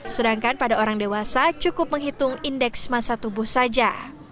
sedangkan pada orang dewasa cukup menghitung indeks masa tubuh saja